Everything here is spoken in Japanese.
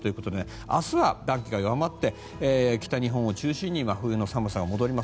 明日は、暖気が弱まって北日本を中心に真冬の寒さが戻ります。